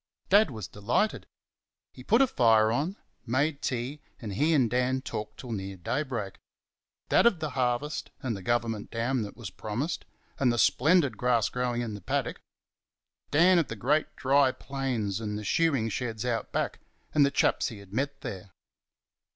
Dad was delighted. He put a fire on, made tea, and he and Dan talked till near daybreak Dad of the harvest, and the Government dam that was promised, and the splendid grass growing in the paddock; Dan of the great dry plains, and the shearing sheds out back, and the chaps he had met there.